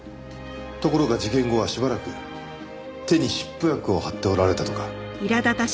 ところが事件後はしばらく手に湿布薬を貼っておられたとか。